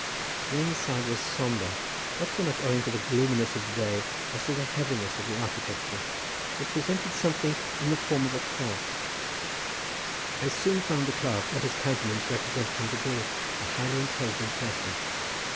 The inside was sombre, not so much owing to the gloominess of the day as the heaviness of the architecture. It presented something in the form of a cross. I soon found the clerk, what his countenance represented him to be, a highly intelligent person.